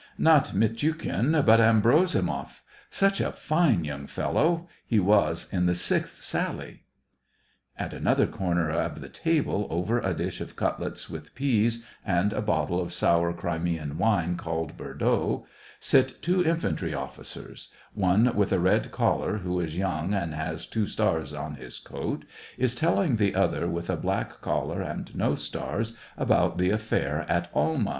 " Not Mitiukhin, but Abrosi moff. Such a fine young fellow !— he was in the sixth sally." At another corner of the table, over a dish of cutlets with peas, and a bottle of sour Crimean wine called " Bordeaux," sit two infantry officers ; one with a red collar, who is young and has two stars on his coat, is telling the other, with a black collar and no stars, about the affair at Alma.